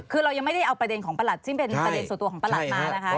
คือเรายังไม่ได้เอาประเด็นของประหลัดซึ่งเป็นประเด็นส่วนตัวของประหลัดมานะคะ